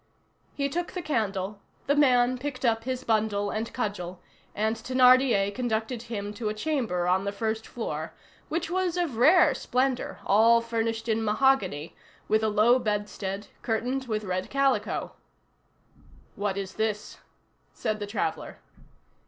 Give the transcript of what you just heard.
He took the candle; the man picked up his bundle and cudgel, and Thénardier conducted him to a chamber on the first floor, which was of rare splendor, all furnished in mahogany, with a low bedstead, curtained with red calico. "What is this?" said the traveller.